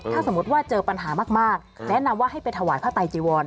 ถ้าสมมุติว่าเจอปัญหามากแนะนำว่าให้ไปถวายพระไตจีวร